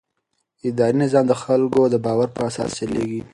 اداري نظام د خلکو د باور پر اساس چلېږي.